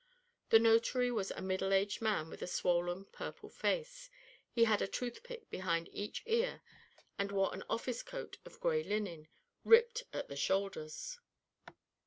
The notary was a middle aged man with a swollen, purple face; he had a toothpick behind each ear and wore an office coat of gray linen, ripped at the shoulders.